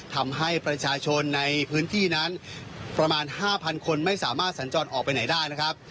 ทำให้ประชาชนในพื้นที่นั้นประมาณ๕๐๐คนไม่สามารถสัญจรออกไปไหนได้นะครับ